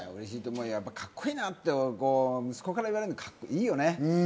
カッコいいなって息子から言われるのいいよね。